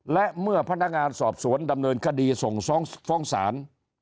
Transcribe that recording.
และเมื่อพนักงานสอบสวนดำเนินคดีส่งฟ้องศาล